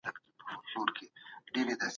د هيوادونو نړيوال سياست تل د بدلون په حال کي دی.